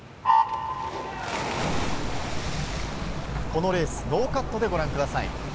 このレースノーカットでご覧ください。